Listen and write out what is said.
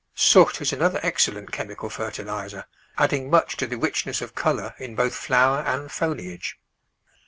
Soot is another excellent chem ical fertiliser, adding much to the richness of colour in both flower and foliage.